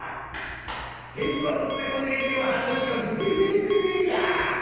返事ばぶってこねえでは話がぶてねえでねえが。